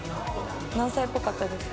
何歳っぽかったですか？